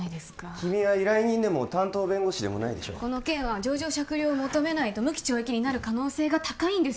君は依頼人でも担当弁護士でもないでしょこの件は情状酌量を求めないと無期懲役になる可能性が高いんです